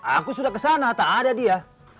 aku sudah kesana tak ada dia